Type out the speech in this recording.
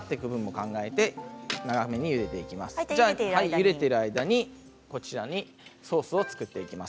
ゆでている間にソースを作っていきます。